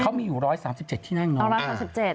เขามีอยู่๑๓๗ที่นั่งเนาะ